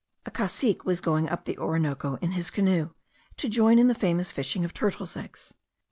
A cacique was going up the Orinoco in his canoe, to join in the famous fishing of turtles' eggs.